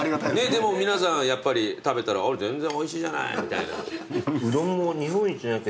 でも皆さんやっぱり食べたら「あれ？全然おいしいじゃない」みたいな。